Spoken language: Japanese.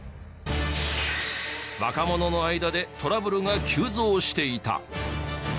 若者の間でトラブルが急増していた！